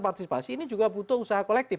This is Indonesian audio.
partisipasi ini juga butuh usaha kolektif